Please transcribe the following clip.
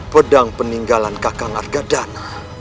pedang peninggalan kakak nargadana